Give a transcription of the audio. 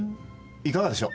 いかがでしょう。